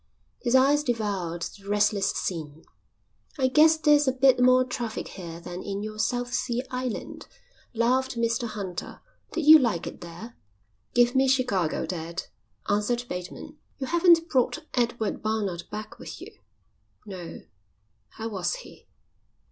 His eyes devoured the restless scene. "I guess there's a bit more traffic here than in your South Sea island," laughed Mr Hunter. "Did you like it there?" "Give me Chicago, dad," answered Bateman. "You haven't brought Edward Barnard back with you." "No." "How was he?"